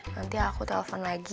nanti aku telfon lagi